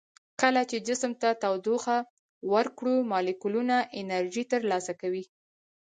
کله چې جسم ته تودوخه ورکړو مالیکولونه انرژي تر لاسه کوي.